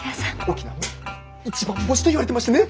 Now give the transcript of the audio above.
沖縄の一番星といわれてましてね。